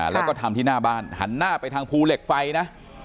แล้วก็ทำที่หน้าบ้านหันหน้าไปทางภูเหล็กไฟนะ